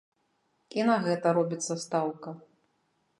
І на гэта робіцца стаўка.